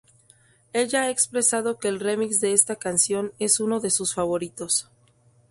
Ella ha expresado que el remix de esta canción es uno de sus favoritos.